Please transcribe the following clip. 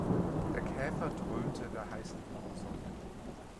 Der Käfer dröhnte in der heißen Junisonne.